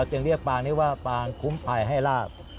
จึงเรียกปางนี้ว่าปางคุ้มภัยให้ลาบ